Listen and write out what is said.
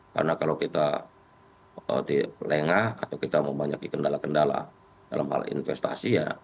karena kalau kita lengah atau kita memiliki kendala kendala dalam hal investasi ya